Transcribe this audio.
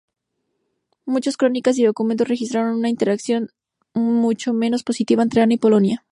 Muchas crónicas y documentos registraron una interacción mucho menos positiva entre Ana y Polonia.